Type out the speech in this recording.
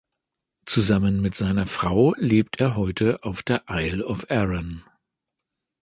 Zusammen mit seiner Frau lebt er heute auf der Isle of Arran.